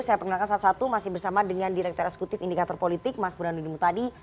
saya perkenalkan satu satu masih bersama dengan direktur eksekutif indikator politik mas burhanuddin mutadi